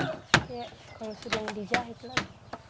iya kalau sudah dijahit lagi